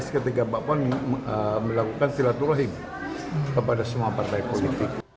saya sekitar tiga mbak puan melakukan silaturahim kepada semua partai politik